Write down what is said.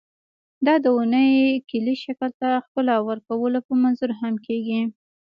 دا د ونې کلي شکل ته ښکلا ورکولو په منظور هم کېږي.